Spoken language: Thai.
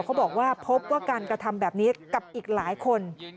เขาบอกว่าพบว่าการกระทำแบบนี้กับอีกหลายคน